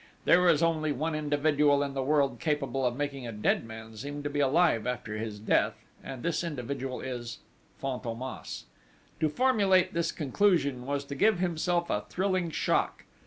There is only one individual in the world capable of making a dead man seem to be alive after his death and this individual is Fantômas!" To formulate this conclusion was to give himself a thrilling shock....